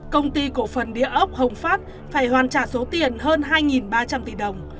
công ty cổ phần địa ốc hồng phát phải hoàn trả số tiền hơn hai ba trăm linh tỷ đồng